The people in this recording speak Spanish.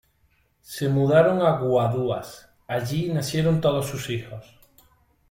Se mudaron a Guaduas, allí nacieron todos sus hijos.